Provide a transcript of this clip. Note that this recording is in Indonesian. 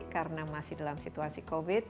karena masih dalam situasi covid